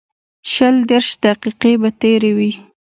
شل دېرش دقیقې به تېرې وې.